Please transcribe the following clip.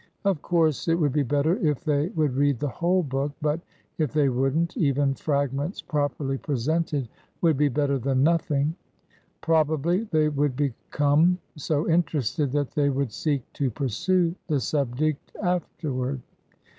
Of course it would be better if they would read the whole book ; but if they would n't, even fragments properly presented 134 ORDER NO. 11 would be better than nothing. Probably they would be come so interested that they would seek to pursue the subject afterward.